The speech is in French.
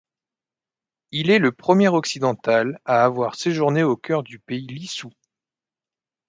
Il est le premier occidental à avoir séjourné au cœur du pays lissou.